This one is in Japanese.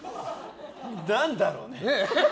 何だろうね。